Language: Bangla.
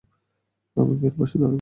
আমাকে এর পাশে দাঁড়াতে হবে।